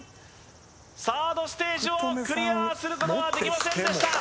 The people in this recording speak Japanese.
サードステージをクリアすることはできませんでした